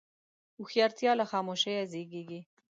هوښیارتیا له خاموشۍ زیږېږي.